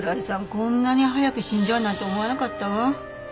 こんなに早く死んじゃうなんて思わなかったわ。